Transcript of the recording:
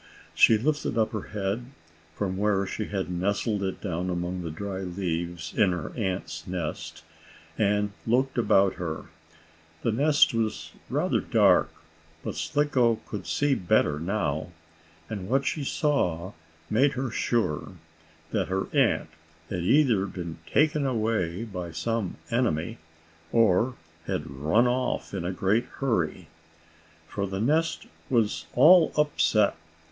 She lifted up her head, from where she had nestled it down among the dried leaves in her aunt's nest, and looked about her. The nest was rather dark, but Slicko could see better now. And what she saw made her sure that her aunt had either been taken away by some enemy, or had run off in a great hurry. For the nest was all upset.